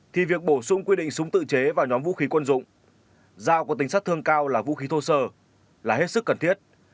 thì việc bổ sung quy định súng tự chế vào nhóm vũ khí quân dụng dao có tính sát thương cao là vũ khí thô sơ là hết sức cần thiết